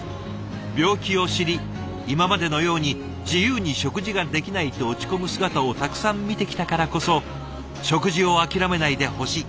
「病気を知り今までのように自由に食事ができないと落ち込む姿をたくさん見てきたからこそ食事を諦めないでほしい。